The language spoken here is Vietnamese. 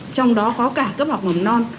trong đó có cả cấp học mầm non